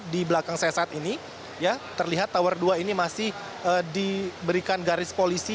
di belakang saya saat ini ya terlihat tower dua ini masih diberikan garis polisi